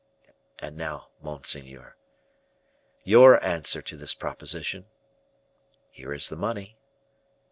And now, monseigneur, your answer to this proposition? Here is the money.